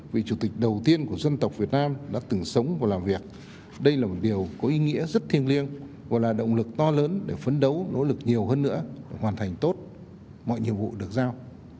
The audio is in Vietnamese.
vị chủ tịch đầu tiên của dân tộc việt nam đã từng sống và làm việc đây là một điều có ý nghĩa rất thiêng liêng và là động lực to lớn để phấn đấu nỗ lực nhiều hơn nữa hoàn thành tốt mọi nhiệm vụ được giao